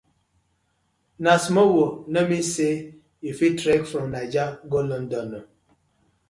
Na small world no mean say you fit trek from Naija go London: